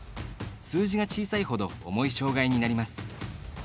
数字が小さいほど重い障がいになります。